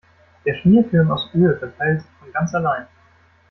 Der Schmierfilm aus Öl verteilt sich von ganz allein.